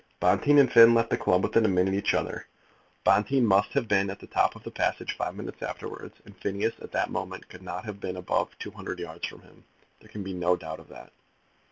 Bonteen and Finn left the club within a minute of each other. Bonteen must have been at the top of the passage five minutes afterwards, and Phineas at that moment could not have been above two hundred yards from him. There can be no doubt of that."